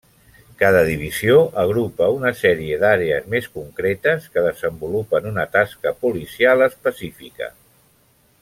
Cada divisió agrupa una sèrie d'àrees més concretes que desenvolupen una tasca policial específica.